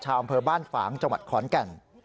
อำเภอบ้านฝางจังหวัดขอนแก่น